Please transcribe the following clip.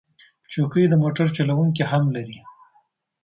چوکۍ د موټر چلونکي هم لري.